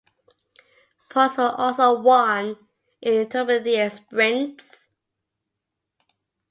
Points were also won in intermediate sprints.